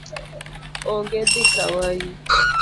Onge dhi kawayu